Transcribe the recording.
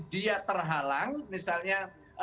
dia terhalang misalnya